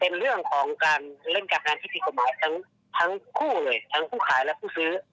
เป็นเรื่องของการเล่นการงานที่ผิดกฎหมายทั้งคู่เลยทั้งผู้ขายและผู้ซื้อ